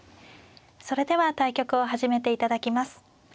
それでは対局を始めて頂きます。